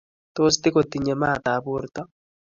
Tos, tigotinyei maatab borto?